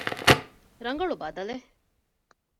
ރަނގަޅު ބަދަލެއް؟